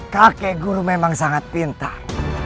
kakek guru memang sangat pintar